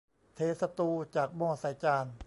เทสตูจากหม้อใส่จาน